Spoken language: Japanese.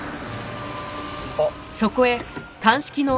あっ。